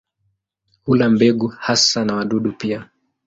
Hula mbegu hasa na wadudu pia.